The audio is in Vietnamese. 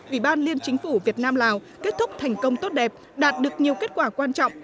ủy ban liên chính phủ việt nam lào kết thúc thành công tốt đẹp đạt được nhiều kết quả quan trọng